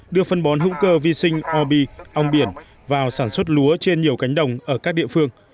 đưa phân bón hữu cơ vi sinh obi ong biển vào sản xuất lúa trên nhiều cánh đồng ở các địa phương